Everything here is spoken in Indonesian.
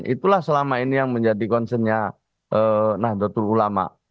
itulah selama ini yang menjadi concernnya nahdlatul ulama